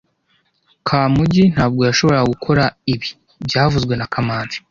Kamugi ntabwo yashoboraga gukora ibi byavuzwe na kamanzi